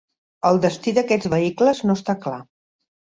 El destí d'aquests vehicles no està clar.